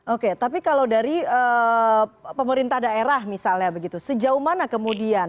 oke tapi kalau dari pemerintah daerah misalnya begitu sejauh mana kemudian